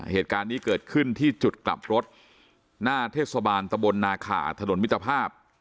เหตุการณ์นี้เกิดขึ้นที่จุดกลับรถหน้าเทศบาลตะบลนาขาถนนมิตรภาพ